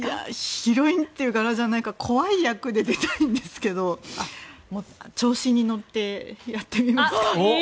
ヒロインという柄じゃないから怖い役で出たいんですが調子に乗ってやってみますか。